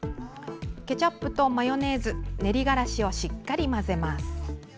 ケチャップとマヨネーズ練りがらしをしっかり混ぜます。